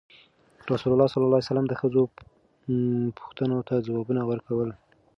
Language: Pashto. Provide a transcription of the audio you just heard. رسول ﷺ د ښځو پوښتنو ته ځوابونه ورکول.